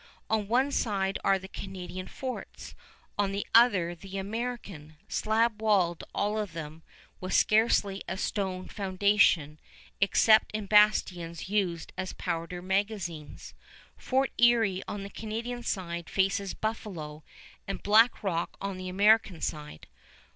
On one side are the Canadian forts, on the other the American, slab walled all of them, with scarcely a stone foundation except in bastions used as powder magazines. Fort Erie on the Canadian side faces Buffalo and Black Rock on the American side.